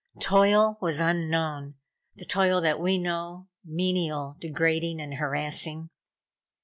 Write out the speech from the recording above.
Toil was unknown; the toil that we know, menial, degrading and harassing.